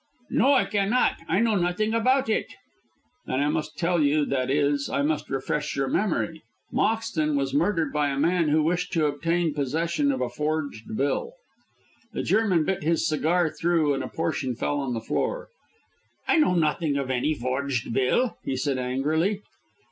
"No, I cannot. I know nothing about it." "Then I must tell you that is, I must refresh your memory. Moxton was murdered by a man who wished to obtain possession of a forged bill." The German bit his cigar through, and a portion fell on the floor. "I know nothing of any forged bill," he said angrily.